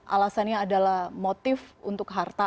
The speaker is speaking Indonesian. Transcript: alasannya adalah motif untuk harta